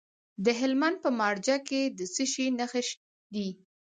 د هلمند په مارجه کې د څه شي نښې دي؟